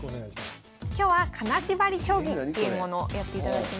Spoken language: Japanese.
今日は「金縛り将棋」というものをやっていただきます。